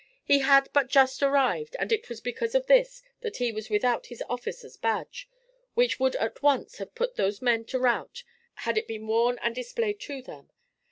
He had but just arrived, and it was because of this that he was without his officer's badge, which would at once have put those men to rout had it been worn and displayed to them.